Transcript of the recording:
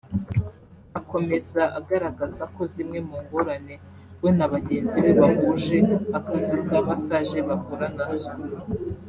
Akomeza agaragaza ko zimwe mu ngorane we na bagenzi be bahuje akazi ka “massage” bahura na zo